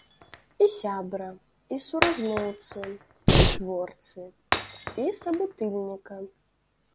І сябра, і суразмоўцы, і творцы, і сабутыльніка.